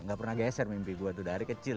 gak pernah geser mimpi gue tuh dari kecil